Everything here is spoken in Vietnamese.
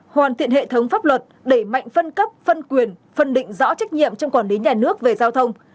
hoàn thiện hệ thống pháp luật đẩy mạnh phân cấp phân quyền phân định rõ trách nhiệm trong quản lý nhà nước về giao thông